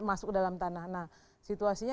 masuk ke dalam tanah nah situasinya